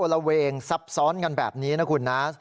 ช่วยเวเองซับซ้อนกันแบบนี้นะขุนนา